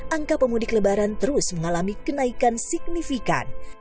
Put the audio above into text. angka pemudik lebaran terus mengalami kenaikan signifikan